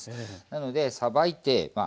なのでさばいてまあ